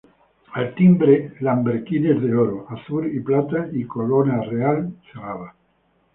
Al timbre: lambrequines de oro, azur y plata y corona real cerrada.